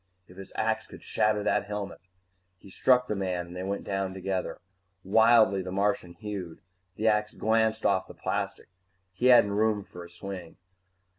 If his axe could shatter that helmet He struck the man and they went down together. Wildly, the Martian hewed. The axe glanced off the plastic he hadn't had room for a swing.